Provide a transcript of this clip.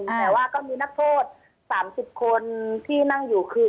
แต่ว่าก็มีนักโทษ๓๐คนที่นั่งอยู่คือ